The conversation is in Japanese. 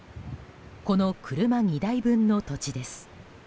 この車２台分の土地です。